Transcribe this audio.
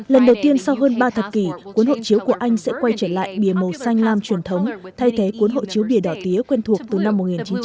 lần đầu tiên sau hơn ba thập kỷ cuốn hộ chiếu của anh sẽ quay trở lại bìa màu xanh lam truyền thống thay thế cuốn hộ chiếu bìa đỏ tía quen thuộc từ năm một nghìn chín trăm bảy mươi